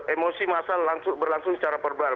emosi masa berlangsung secara verbal